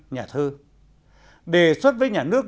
nhà thơ đề xuất với nhà nước